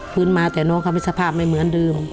ปืนมาแต่น้องเขาทริศภาพไม่เหมาะเดิม